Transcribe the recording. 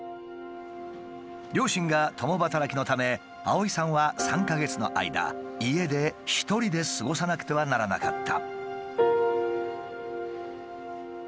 両親が共働きのため碧さんは３か月の間家で一人で過ごさなくてはならなかった。